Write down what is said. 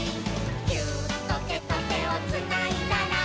「ギューッとてとてをつないだら」